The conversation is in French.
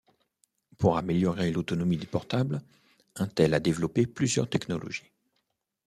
Pour améliorer l’autonomie des portables, Intel a développé plusieurs technologies.